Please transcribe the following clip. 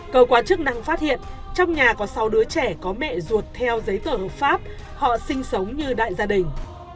cơ quan chức năng phát hiện trong nhà có sáu đứa trẻ có mẹ ruột theo giấy tờ hợp pháp họ sinh sống như đại gia đình